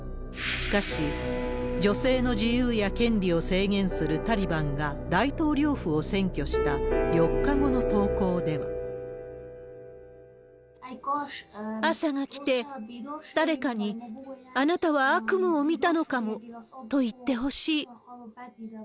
しかし、女性の自由や権利を制限するタリバンが大統領府を占拠した４日後朝が来て、誰かにあなたは悪夢を見たのかもと言ってほしい。